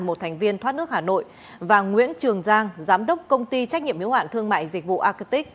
một thành viên thoát nước hà nội và nguyễn trường giang giám đốc công ty trách nhiệm hiếu hạn thương mại dịch vụ acic